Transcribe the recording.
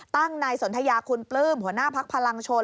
ตั้งนายสนทยาคุณปลื้มหัวหน้าภักดิ์พลังชน